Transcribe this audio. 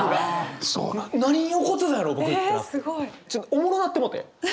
おもろなってもうて。